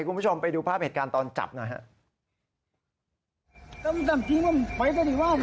คุณผู้ชมไปดูภาพเหตุการณ์ตอนจับหน่อยครับ